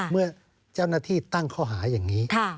เมื่อเจ้าหน้าที่ตั้งข้อหาอย่างนี้